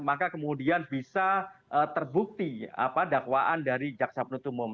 maka kemudian bisa terbukti dakwaan dari jaksa penutup umum